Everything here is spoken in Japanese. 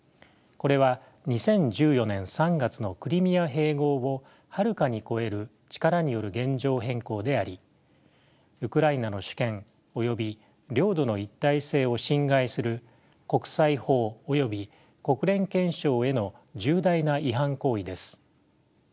これは２０１４年３月のクリミア併合をはるかに超える力による現状変更でありウクライナの主権および領土の一体性を侵害する国際法および国連憲章への重大な違反行為です。